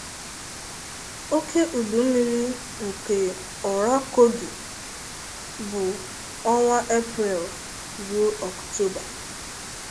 Oke udumiri nke Ȯra Kogi bų ǫnwa eprel rue ǫktoba.